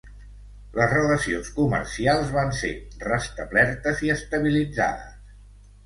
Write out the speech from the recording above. Les relacions comercials van ser restablertes i estabilitzades.